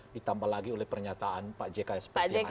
ditambah lagi oleh pernyataan pak jk seperti yang anda sebutkan tadi